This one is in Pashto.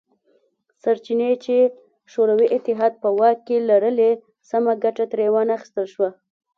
سرچینې چې شوروي اتحاد په واک کې لرلې سمه ګټه ترې وانه خیستل شوه